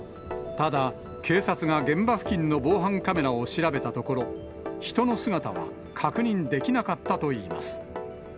ただ、警察が現場付近の防犯カメラを調べたところ、人の姿は確認できなかったといいます。